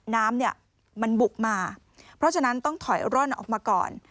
น้ำเนี่ยมันบุกมาเพราะฉะนั้นต้องถอยร่อนออกมาก่อน